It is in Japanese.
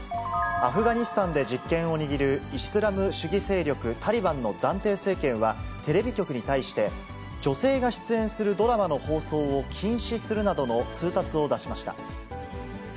アフガニスタンで実権を握る、イスラム主義勢力タリバンの暫定政権は、テレビ局に対して、女性が出演するドラマの放送を禁止するなどの通達を出しました。